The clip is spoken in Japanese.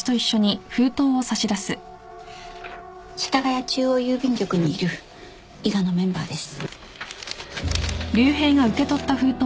世田谷中央郵便局にいる伊賀のメンバーです。